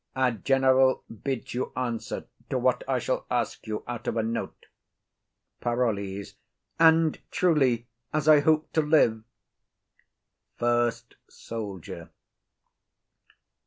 Our general bids you answer to what I shall ask you out of a note. PAROLLES. And truly, as I hope to live. FIRST SOLDIER.